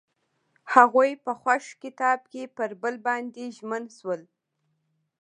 هغوی په خوښ کتاب کې پر بل باندې ژمن شول.